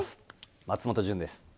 松本潤です。